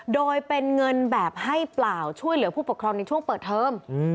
โดยเป็นเงินแบบให้เปล่าช่วยเหลือผู้ปกครองในช่วงเปิดเทอม